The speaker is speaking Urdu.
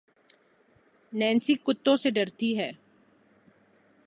نینسی کتّوں سے درتی ہے